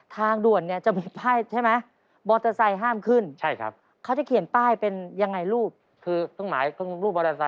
ทางด่วนเนี่ยจะมีป้ายใช่ไหม